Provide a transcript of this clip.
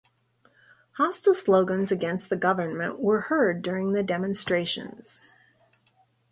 Hostile slogans against the government was heard during the demonstrations.